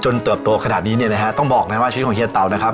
เติบโตขนาดนี้เนี่ยนะฮะต้องบอกนะครับว่าชีวิตของเฮียเต่านะครับ